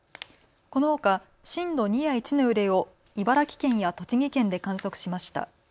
このほか震度２や１の揺れを茨城県や栃木県で観測しました。